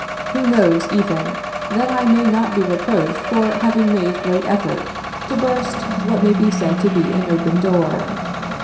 Who knows, even, that I may not be reproached for having made great effort to burst what may be said to be an open door.